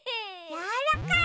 やわらかい！